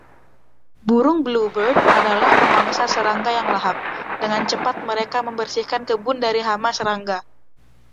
Burung Bluebird adalah pemangsa serangga yang lahap, dengan cepat mereka membersihkan kebun dari hama serangga.